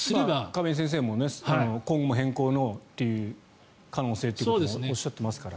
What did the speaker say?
亀井先生も今後も変更の可能性ということもおっしゃっていますから。